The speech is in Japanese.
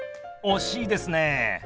惜しいですね。